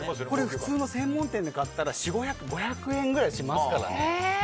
普通の専門店で買ったら５００円くらいしますからね。